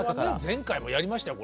前回もやりましたよ